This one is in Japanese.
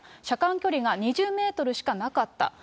車間距離が２０メートルしかなかった。